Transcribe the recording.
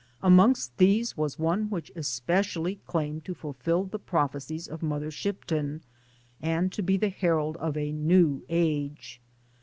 Amongst these was one which especially claimed to fulfil the pro phecies of Mother Shipton and to be the herald of a New Age.